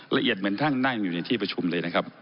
ละเอียดเหมือนทั่งหน้างอยู่ในที่ประชุมเลย